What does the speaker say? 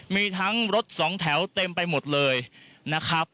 มีทั้งรถสองแถวเต็มไปหมดเลยนะครับ